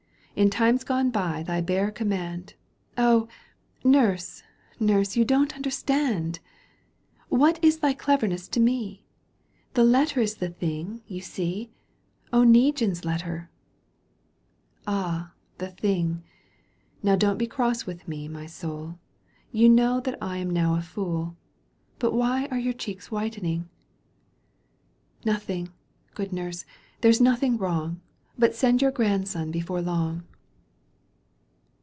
In times gone by thy bare command "" Oh ! nurse, nurse, you don't understand ! What is thy cleverness to me ? The letter is the thing, you see, — Oneguine's letter !"—" Ah ! the thing ! Now don't be cross with me, my soul, You know that I am now a fool — But why are your cheeks whitening ?" "Nothing, good nurse, there's nothing wrong, But send your grandson before long."